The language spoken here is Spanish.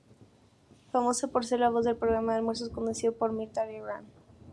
Famosa por ser la voz del programa de almuerzos conducido por Mirtha Legrand.